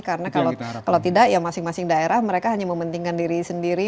karena kalau tidak ya masing masing daerah mereka hanya mementingkan diri sendiri